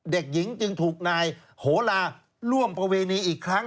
เด็กหญิงจึงถูกนายโหลาร่วมประเวณีอีกครั้ง